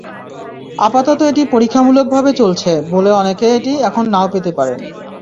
আপাতত এটি পরীক্ষামূলকভাবে চলছে বলে অনেকে এটি এখন নাও পেতে পারেন।